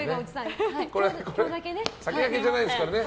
酒焼けじゃないですからね。